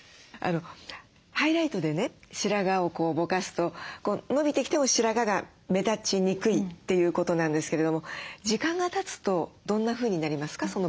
ハイライトでね白髪をぼかすと伸びてきても白髪が目立ちにくいということなんですけれども時間がたつとどんなふうになりますか？